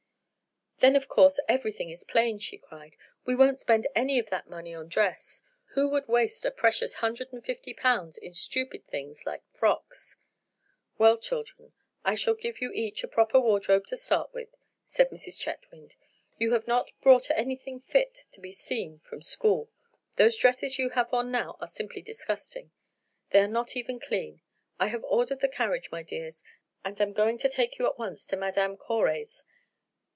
"Then, of course, everything is plain," she cried. "We won't spend any of that money on dress. Who would waste a precious hundred and fifty pounds in stupid things like frocks?" "Well, children, I shall give you each a proper wardrobe to start with," said Mrs. Chetwynd. "You have not brought anything fit to be seen from school. Those dresses you have on now are simply disgusting; they are not even clean. I have ordered the carriage, my dears, and am going to take you at once to Madame Coray's.